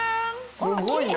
すごいな。